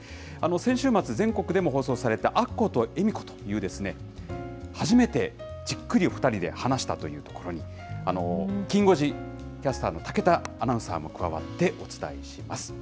先週末、全国でも放送されたアッコと恵美子という、初めてじっくりお２人で話したというところに、きん５時キャスターの武田アナウンサーも加わって、お伝えします。